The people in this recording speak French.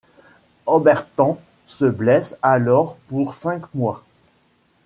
Obertan se blesse alors pour cinq mois.